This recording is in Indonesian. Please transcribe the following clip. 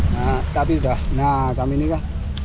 nah tapi udah nah macam inilah